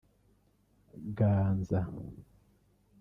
Ganza